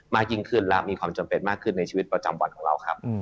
มากยิ่งขึ้นและมีความจำเป็นมากขึ้นในชีวิตประจำวันของเราครับ